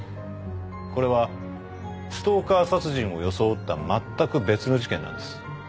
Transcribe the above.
これはストーカー殺人を装った全く別の事件なんです。